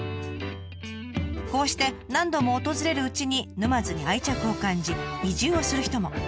こうして何度も訪れるうちに沼津に愛着を感じ移住をする人も。